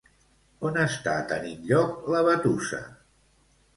On està tenint lloc la batussa?